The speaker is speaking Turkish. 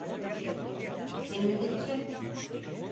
Temizlikçi…